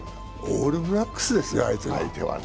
オールブラックスですよ、相手は。